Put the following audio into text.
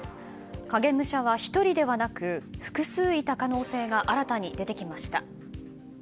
影武者は１人ではなく複数いた可能性が新たに出てきました。